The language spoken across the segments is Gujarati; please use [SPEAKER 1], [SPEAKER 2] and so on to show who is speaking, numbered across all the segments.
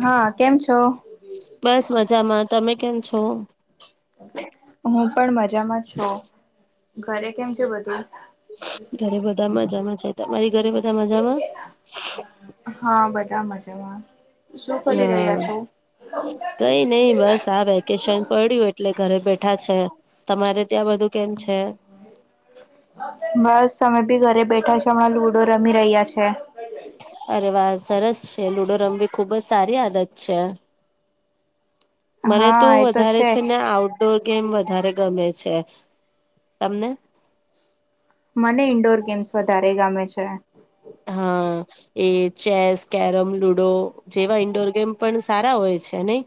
[SPEAKER 1] હા કેમ છો
[SPEAKER 2] બસ મજામાં તમે કેમ છો
[SPEAKER 1] હું પણ મરી જમા છો ઘરે કેમ કેું બધું
[SPEAKER 2] ઘરે બધા મજામાં જાય તમારી ઘરે બધા મજામાં
[SPEAKER 1] જવા
[SPEAKER 2] હા, કઈ નહીં, બસ આ વેકેશન પડ્યું એટલે ઘરે બેઠા છે. તમારે. ત્યાં બધું કેમ છે
[SPEAKER 1] બસ અમે ભી ઘરે બેઠા છે. હમણાં લુડો રમી રહ્યા છે.
[SPEAKER 2] અરે વાહ! સરસ છે. લૂડો રમવી ખુબ જ સારી આદત છે. મને તો વધારે છે ને આઉટડોર ગેમ વધારે ગમે છે તમને?
[SPEAKER 1] મને ઇન્ડોર ગેમ્સ વધારે ગમે છે.
[SPEAKER 2] હા એ ચેસ, કેરમ, લુડો જેવા ઈન્ડોર ગેમ પણ સારા હોય છે નહી.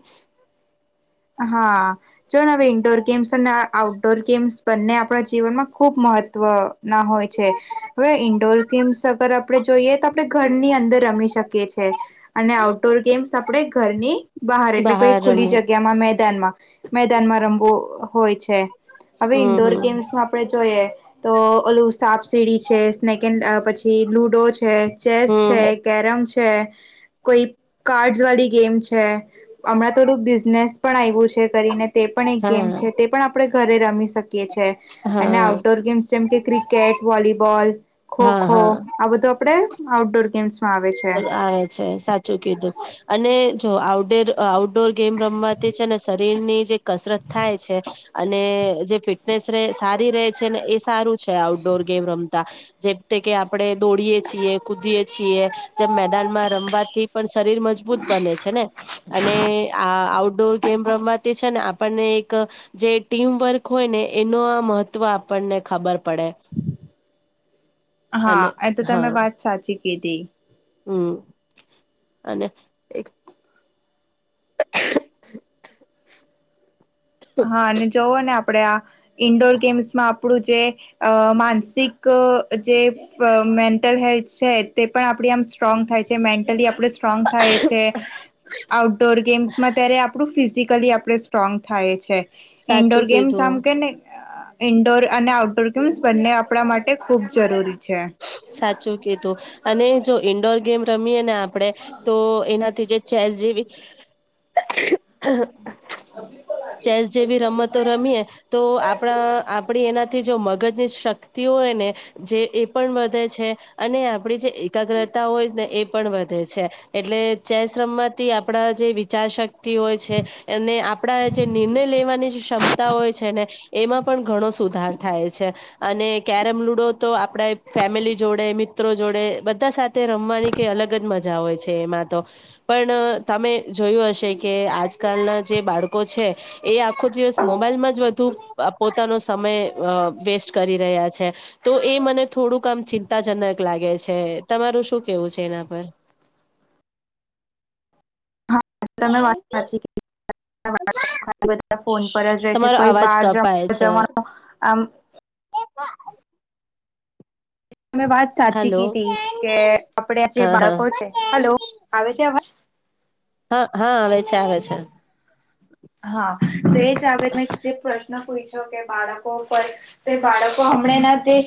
[SPEAKER 1] હા, જોને હવે ઈન્ડોર ગેમ્સ અને આઉટડોર ગેમ્સ બંને આપણા જીવનમાં ખુબ મહત્વ ના હોય છે. હવે ઈન્ડોર ગેમ્સ અગર આપણે જોઈએ તો આપણે ઘરની અંદર રમી શકીએ છે. અને આઉટડોર ગેમ્સ આપણે ઘરની બહાર એટલે કોઈ ખુલ્લી જગ્યા મેદાનમાં મેદાનમાં રમવું હોય છે. હવે
[SPEAKER 2] હમ
[SPEAKER 1] ઈન્ડોર
[SPEAKER 2] હમ
[SPEAKER 1] ગેમ્સમાં આપડે જોઈએ. તો ઓલું સાપ-સીડી છે સ્નેક એન્ડ પછી લુડો છે. ચેસ છે,
[SPEAKER 2] હમ
[SPEAKER 1] કેરમ છે. કોઈ કાર્ડ વાળી ગેમ છે, હમણાં તો નેક્સટ પણ આવ્યું છે. કરીને તે પણ એક ગેમ
[SPEAKER 2] હા
[SPEAKER 1] છે, તે પણ આપણે ઘરે રમી શકીએ છે. અને
[SPEAKER 2] હા
[SPEAKER 1] આઉટડોર ગેમ્સ જેમ કે ક્રિકેટ, વોલીબોલ,
[SPEAKER 2] હા
[SPEAKER 1] ખો-ખો
[SPEAKER 2] હા
[SPEAKER 1] આ બધું આપણે આઉટડોર ગેમ્સ.
[SPEAKER 2] આવે છે, સાચું કીધું અને આઉટડોર આઉટડોર ગેમ રમવાતી છે અને શરીર ની જે કસરત થાય છે. અને જે ફિટનેસ સારી રે છે ને, એ સારું છે. આઉટડોર ગેમ રમતા જેમતે કે આપણે દોડીએ છીએ, કૂદીએ છીએ. જેમ મેદાન માં રમવાથી પણ શરીર મજબૂત બને છે ને અને આ આઉટડોર ગેમ રમવાથી છે ને આપણને એક જે ટીમ વર્ક હોય ને એનો આ મહત્ત્વ આપણને ખબર પડે.
[SPEAKER 1] હા,
[SPEAKER 2] અને
[SPEAKER 1] એ તો તમે વાત સાચી કીધી. કીધી.
[SPEAKER 2] હમ્મ અને એક
[SPEAKER 1] હા, અને જવો ને આપ પડ્યા ઇન્ડોર ગેમ્સ માં આપણું જે અ માનસિક જે મેન્ટલ હેલ્થ છે, તે પણ આપણી આમ સ્ટ્રોંગ થાય છે મેન્ટલી આપણે સ્ટ્રોંગ થાય છે આઉટડોર ગેમ્સમાં ત્યારે આપણું ફીઝીક મેન્ટલી આપણે સ્ટ્રોંગ થાય છે. ઇન્ડોર
[SPEAKER 2] સાચું
[SPEAKER 1] ગેમ્સ
[SPEAKER 2] કીધું
[SPEAKER 1] આમ કેને ઇન્ડોર અને આઉટડોર ગેમ્સ બંને આપણા માટે ખૂબ જરૂરી છે.
[SPEAKER 2] સાચું કીધું અને જો ઈન્ડોર ગેમ રમીએ ને આપ આપણેે તો એનાથી જે ચેસ જેવી. [inaudible] ચેસ જેવી રમતો રમીએે તો આપણા આપડી એના થી જો મગજની શક્તિઓ હોય ને જે એ પણ તે છે અને આ આપડી જે એકાગ્રતા હોય ને એ પણ વધે છે. એટલે ચેસ રમવાંથી આપડા જે વિચારશક્તિ હોય છે અને આપણા જે નિર્ણય લેવાની જે ક્ષમતા હોય છે ને એમાં પણ ઘણો સુધાર થાય છે. અને કેરમ લુડો તો આપણે ફેમિલી જોડે મિત્રો જોડે બધા સાથે રમવાની કઈ અલગ જ મજા હોય છે એમાં તો પણ તમે જોયું હશે કે આજકાલના જે બાળકો છે એ આખો દિવસ મોબાઈલમાં જ વધુ પોતાનો સમય વેસ્ટ કરી રહ્યા છે તો એ મને થોડું કામ ચિંતાજનક લાગે છે તમારું શું કેવું છે એના પર?
[SPEAKER 1] હા તમે વાત સાચી કિંધી [unintelligible] બધા ફોન પર જ રહે છે
[SPEAKER 2] તમારો
[SPEAKER 1] કોઈ
[SPEAKER 2] અવાજ
[SPEAKER 1] બાર
[SPEAKER 2] કપાય
[SPEAKER 1] રમવા
[SPEAKER 2] છે
[SPEAKER 1] જવાનું આમ
[SPEAKER 2] [unintelligible]
[SPEAKER 1] મે વાત સાચી
[SPEAKER 2] હલો
[SPEAKER 1] કીધી કે આપડે જે
[SPEAKER 2] હા હા
[SPEAKER 1] બાળકો છે હલો આવે છે અવાજ?
[SPEAKER 2] હા હા આવે છે આવે છે.
[SPEAKER 1] હા. તો એ જ આપે મેં જે પ્રશ્ન પુછયું. જો કે બાળકો ઉપર તો બાળકો હમણાં [unintelligible] તે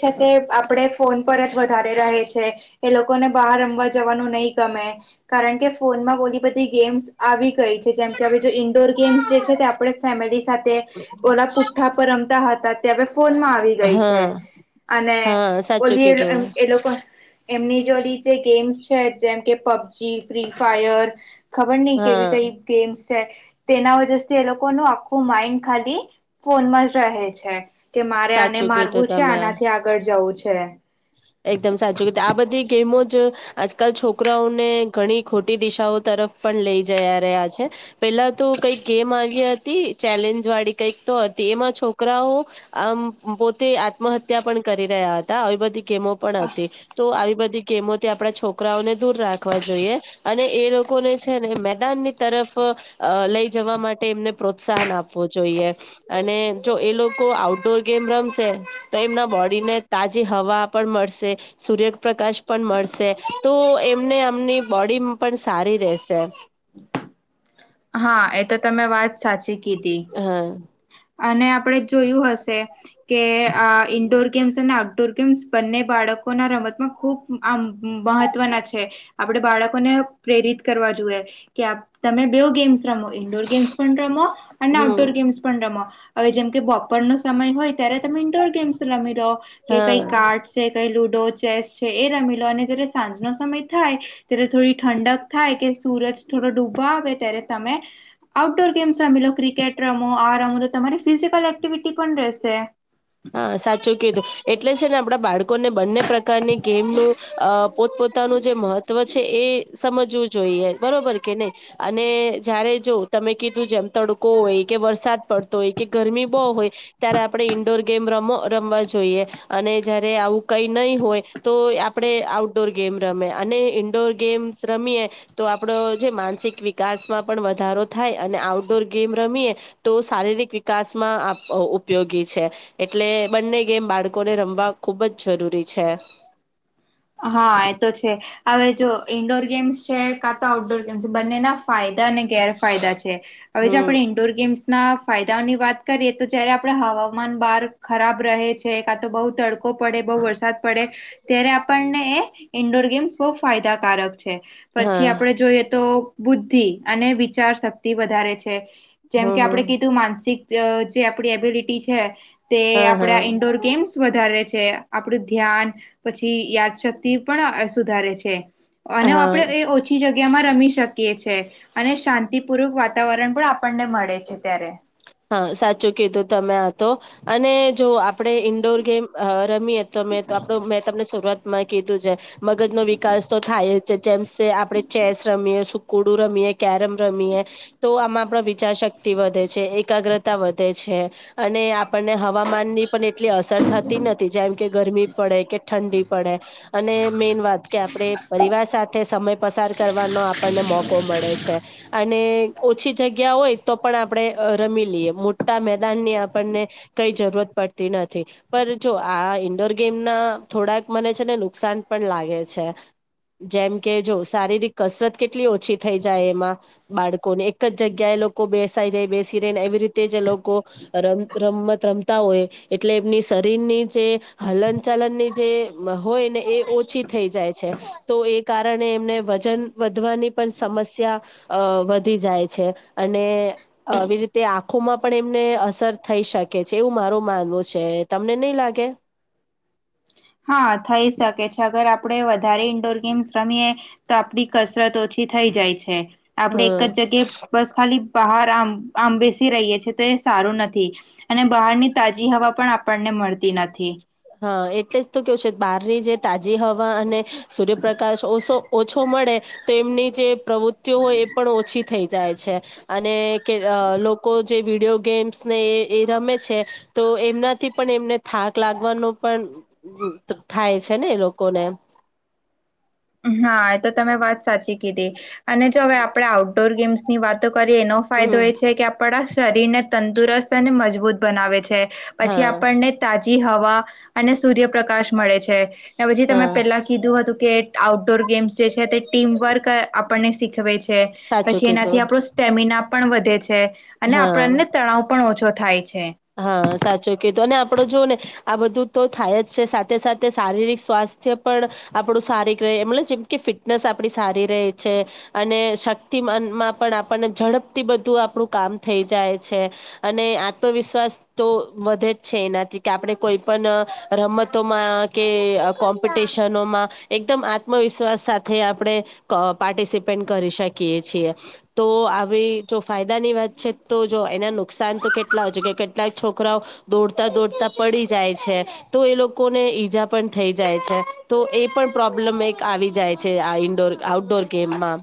[SPEAKER 1] આપણે ફોન પર જ વધારે રહે છે એ લોકોને બહાર રમવા જવાનું નહી ગમે કારણ કે ફોનમાં બોલી બધી ગેમ્સ આવી ગઈ છે જેમ કે હવે જો ઇન્ડોર ગેમ્સ જે છે તે આપણે ફેમિલી સાથે ઓલા પુઠ્ઠા પર રમતા હતા [unintelligible] ફોનમાં આવી ગઈ છે
[SPEAKER 2] હા
[SPEAKER 1] અને
[SPEAKER 2] હા સાચું
[SPEAKER 1] ઓલી
[SPEAKER 2] કીધું
[SPEAKER 1] એ લોકો એમની જોડી જે ગેમ્સ છે જેમ કે પબજી ફ્રી ફાયર ખબર નહી
[SPEAKER 2] હા
[SPEAKER 1] કેવી રીતે એ ગેમ્સ તેના તે લોકો ન આખું માઈન્ડ ખાલી ફોનમાં જ રહે છે કે મારે આને
[SPEAKER 2] સાચું કીધું
[SPEAKER 1] મારવું છે
[SPEAKER 2] તમે
[SPEAKER 1] આનાથી આગળ જવું છે [unintelligible]
[SPEAKER 2] એકદમ સાચું આ બધી ગેમો જ આજકાલ છોકરાઓને ઘણી ખોટી દિશાઓ તરફ પણ લઈ જયા રહ્યા છે પેલા તો કઈક ગેમ આવ ચેલેન્જ વાળી કઈક તો હતી એમાં છોકરાઓ આમ પોતે આત્મહત્યા પણ કરી રહ્યા હતા આવી બધી ગેમો પણ હતી તો આવી બધી કેમોતે આપણા છોકરાઓને દૂર રાખવા જોઈએ અને એ લોકો કોને છે ને મેદાન ની તરફ લઈ જવા માટે એમને પ્રોત્સાહન આપે આપો જોઈએ અને જો એ લોકો આઉટડોર ગેમ રમશે તો એમના બોડીને તાજી હવા મળશે સૂર્યપ્રકાશ પણ મળશે તો એમને એમની બોડી પણ સારી રહેશે
[SPEAKER 1] હા એ તો તમે વાત સાચી
[SPEAKER 2] હા
[SPEAKER 1] અને આપણે જોયું હશે કે ઇન્ડોર ગેમ્સ ને ર ગમ્ બંને બાળકોના રમતમાં ખૂબ આ મહત્વના છે આપડે બાળકોને પ્રેરિત કરવા જોઈએ કે તમે બ ગેમસ ઇન્ટોર ગેમસ પનમો અનેન્
[SPEAKER 2] હમ
[SPEAKER 1] અઉ્ટોર ગેમસ પ્રમો હવે જેમ કે બપરનોો સમય હોય ત્યારે તમે ઇન્ડોર ગેમ્સ રમી લો કે કઈ
[SPEAKER 2] હા
[SPEAKER 1] કાર્ડ છે કઈ લુડો ો ચેસ છે એ રમી લો અને જયારે સાંજ ન સમય થાય ત્યારે થોડી ઠંડક થાય કે સૂરજ થોડો ડૂબો આવે ત્યારે તમે આઉટડોર ગેમ્સ રમી લો ક્રિકેટ રમો આ રમો તો તમારી ફિઝિકલ એક્ટિવિટી પણ રહેશે
[SPEAKER 2] હા સાચું કીધું એટલે છે ને આપ બ લોકોને બંને પ્રકારની ગેમનું અ પોતપોતાનું જે મહત્વ છે એ સમજવું જોઈએ બરોબર કે નહી અને જય્યારે જો તમે કીધું જેમ તડકો હોય કે વરસાદ પડતો હોય કે ગરમી બહુ હોય ત્યારે આપણે ઈન્ડોર ર રમવા જોઈએ અને જયારે આવું કઈ નહી હોય તો આપડે આઉટડોર ગેમ રમે અને ઈન્ડોર ગેમ્સ રમીએ તો આપડો જે માનસિક વિકાસમાં પણ વધારો થાય અને આઉટડોર ગેમ રમીએ તો શારીરિક વિકાસમાં ઉપયોગી છે એટલે બંને ગેમ બાળકોને રમવા ખૂબ જ જરૂરી છે
[SPEAKER 1] હા એ તો છે હવે જો ઇન્ડોર ગેમ્સ છે કા તો આઉટડોર ગેમ્સ છે બંને ના ફાયદા અને ગેરફાયદા છે હવે જે
[SPEAKER 2] હમ
[SPEAKER 1] આપણે ઇન્ડોર ગેમ્સ ના ફાયદાઓની વાત કરીએ તો જયારે આપડ હવામાન બહાર ખરાબ રહે છે કા તો બહુ તડકો પડે બહુ વરસાદ પડે ત્યારે ન્ડોર ગેમ્સ બહુ ફાયદકારક છે પછી
[SPEAKER 2] હા
[SPEAKER 1] આપડે જોઈએ તો બુદ્ધિ અને વિચાર શક્તિ વધારે છે જેમ
[SPEAKER 2] હમ
[SPEAKER 1] કે આપડણે
[SPEAKER 2] હમ
[SPEAKER 1] કીધું માનસિક જે આપણી એબિલિટી છે તે
[SPEAKER 2] હા હા
[SPEAKER 1] આપડા ઈન્ડોર ગેમ્સ વધારે છે આપડું ધ્યાન પછી યાદશક્તિ પણ સુધારે છે અને
[SPEAKER 2] હા
[SPEAKER 1] આપડે એ ઓછી જગ્યા ્યામાં રમી શકીએ છે અને શાંતિપૂર્વક વાતાવરણ પણ આપણને મળે છે ત્યારે
[SPEAKER 2] હા સાચું કીધું તમે આ તો અને જો આપણે ઇન્ડોર ગેમ રમીએ તો મેં તો આપડો મેં તમને શરૂઆત માં કીધું છે મગજ નો વિકાસ તો થાય જ છે જેમ આપણે ચે શ રમીએ કોડું રમીએે કેરમ રમીએ તો આમાં આપ ા શક્તિ વધે છે એક તા વધે છે અને આપણને હવામાનની પણ એટલી અસર થતી નથી જેમ કે ગરમી પડે કે ઠંડી પડે અને મેન વાત કે આપડ પરિવાર સાથે સમય પસાર કરવાનો આપણને મોકો મળે છે અને ઓછી જગ્યા હોય તો પણ આપણે રમી લઈએ મોટા મેદાન ની આપણને કઈ જરૂરત પડતી નથી પણ જો આ ઈન્ડોર ગેમ ના થોડાક મને છે ને નુકસાન પણ લાગે છે જેમ કે જો શારીરિક કસરત કેટલી ઓછી થઈ જાય એમાં બાળકોને એક જ જગ્યા એ લોકો બેસાય જાય બેસી એવી રીતે જે લોકો રમ રમત રમતા હોય એટલે એમની શરીરની જે હલન ચલનની જે હોય ને એ ઓછી થઈ જાય છે તો એ કારણે એમને વજન વધવાની પણ સમસ્યા વધી જાય છે અને આવી રી તે આંખોમાં પણ એમને અસર થઈ શકે છે એવું મારું માનવું છે તમને નહી લાગે
[SPEAKER 1] હા થઈ શકે છે અગર આપડણે વધારે ઇન્ડોર ગેમ્સ રમીએ તો આપડી કસરત ઓછી થઈ જાય છે આપણેે એક
[SPEAKER 2] હ
[SPEAKER 1] જ જગ્યાએ બસ ખાલી બહાર આં આં બેસી રહીએ છ છેએ તો એ સારું નથી અને બહાર ની તાજી હવા પણ આપણને મળતી નથી
[SPEAKER 2] હા એટલે જ તો કેવું છે બહારની જે તાજી હવા અને સૂર્યપ્રકાશ ઓસો ઓછો મળે તો એમની જે પ્રવૃત્તિઓ હોય એ પણ ઓછી થઈ જાય છે અને લોકો જે વિડીિયો ગેમ્સ ને એ રમે છે તો એમનાથી પણ એમને થાક લાગે ન પણ થાય છે ને એ લોકોને
[SPEAKER 1] હા એ તો તમે વાત સાચી કીધી અને જો હવે આપણે આઉટડોર ગેમ્સ ની વાતો કરી એનો ફાયદો
[SPEAKER 2] હમ
[SPEAKER 1] એ છે કે આપણા શરીર ને તંદુરસ્ત અને મજબૂત બનાવે છે પછી
[SPEAKER 2] હા
[SPEAKER 1] આપણને તા આ હવા અને સૂર્યપ્રકાશ મળે છે પછી તમે
[SPEAKER 2] હા
[SPEAKER 1] પેલા કીધું હતું કે ર ગેમ્સ જે છે તે ટીમ વર્ક આપણને સીખવે છે
[SPEAKER 2] સાચું
[SPEAKER 1] પછી એનાથી
[SPEAKER 2] કીધું
[SPEAKER 1] આપણો સ્ટેમિના પણ વધે છે અને
[SPEAKER 2] હા
[SPEAKER 1] આપણને તણાવ પણ ઓછો થાય છે
[SPEAKER 2] હા સાચો કતો અને આપડો જો ને આ બધું તો થાય જ છે સાથે સાથે શારીરિક સ્વાસ્થ્ય પણ આપણું સારી રહે મ જેમ કે ફિટનેસ આપણી સારી રહે છે અને શક્તિ મનમાં પણ આપણને ઝડપથી બધું આપણું કામ થઈ જાય છે અને આત્મવિશસ શ્વાસ તો વધે જ છે એનાથી કે આપણે કોઈ પણ રમતોમાં કે કોમ્પિટિશનોમાં એકદમ આત્મવિશ્વાસ સાથે આપણે પાર્ટિસિપેટ કરી શકીએ છીએ તો આવી જો ફાયદાની વાત છે તો જો એના નુકસાન તો કેટલા હોય છે કે કેટલાક છોકરાઓ દોડતા દોડતા પડી જાય છે તો એ લોકોને ઈજા પણ થઈ જાય છે તો એ પણ પ્રોબ્લેમ એક આવી જાય છે આ ઇડોર આઉટડોર ગેમમાં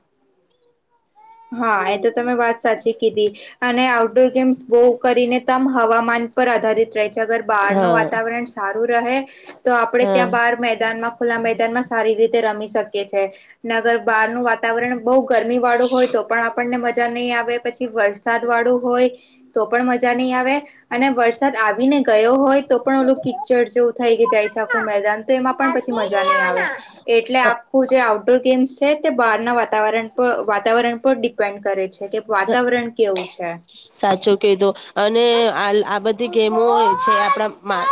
[SPEAKER 1] હા એ તો તમે વાત સાચી કીધી અને આઉડોર ગેમ્સ બહુ કરીને ત હવામાન પર આધારિત રહે ગર બહાર ન
[SPEAKER 2] હા
[SPEAKER 1] વાતાવરણ સા રહે તો આપડે
[SPEAKER 2] હા
[SPEAKER 1] ત્યાં બાર મેદાનમાં ખુલ્લા મેદાન માં સારી રીતે રમી શકે છે નગર બાર નું વાતાવરણ બહુ ગરમી વાળું હોય તો આપણને મજા નહીં આવે પછી વરસાદ વાળું હોય તો પણ મજા નહીં આવે અને વરસાદ આવીને ગયો હોય તો પણ ઓલું કિચડ જેવું થાય કે જાય શ આખું મેદાન તો એમાં પણ પછી મજા નહીં આવે એટલે આખું જે આઉટડોર ગેમ્સ છે તે બહારના વાતાવરણ પર વાતાવરણ પર ડિપેન્ડ કરે છે કે વાતાવરણ કેવું છે.
[SPEAKER 2] સાચો કધો અને આ આ બધી ગેમો હોય જે આપણા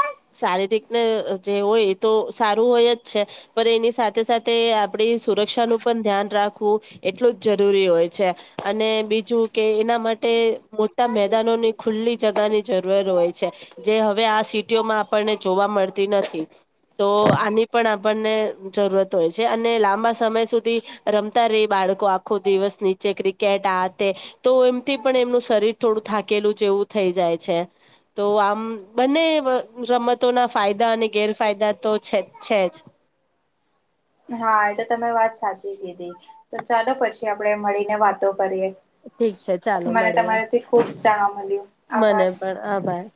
[SPEAKER 2] શારીરિકને જે હોય તો સારું હોય જ છે પણ એની સાથે સાથે [inaudible] આપણી સુરક્ષાનું પણ ધ્યાન રાખ ખું એટલું જ જરૂરી હોય છે અને બીજું કે એના માટે મોટા મેદાનોની ખુલ્લી જગાની જરૂર હોય છે જે હવે આ સિટીઓમાં આપણને જોવા મળતી નથી તો આની પણ આપણને જરૂરત હોય છે અને લાંબા સમય સુધી રમતા રહી બાળકો આખો દિવસ નીચે ક્રિકેટ આ તો એમથી પણ એમનું શરીર થોડું થાકેલું જેવું થઈ જાય છે તો આમ બંને રમતોના ફાયદા અને ગેરફાયદા તો છે છે જ
[SPEAKER 1] હા એ તો તમે વાત સાચી કીધી તો ચાલો પછી આપણેે મળીને વાતો કરીએ
[SPEAKER 2] ઠીક છે ચાલો
[SPEAKER 1] મને
[SPEAKER 2] મળીએ
[SPEAKER 1] તમારેથી ખુબ જામ
[SPEAKER 2] મને પણ આભાર